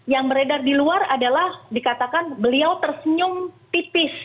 yang beredar di luar adalah dikatakan beliau tersenyum tipis